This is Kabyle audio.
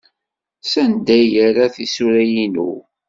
Sanda ay yerra tisura-inu?